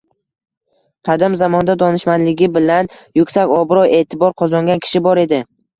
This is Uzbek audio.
Qadim zamonda donishmandligi bilan yuksak obro`-e`tibor qozongan kishi bor edi